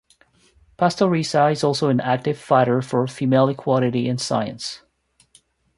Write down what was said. Pastoriza is also an active fighter for female equality in science.